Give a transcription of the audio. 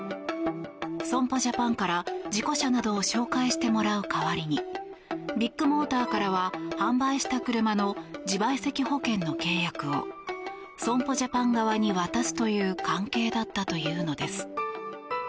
損保ジャパンから、事故車などを紹介してもらう代わりにビッグモーターからは販売した車の自賠責保険の契約を損保ジャパン側に渡すという関係だったというのです。